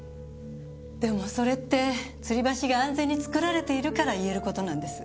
でもそれってつり橋が安全に造られているから言える事なんです。